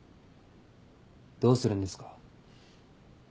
どうするんですか？